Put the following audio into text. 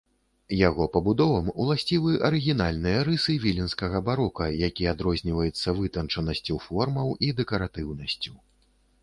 Яго пабудовам уласцівы арыгінальныя рысы віленскага барока, які адрозніваецца вытанчанасцю формаў і дэкаратыўнасцю.